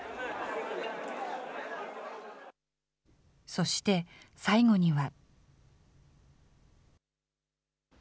そして、最後には。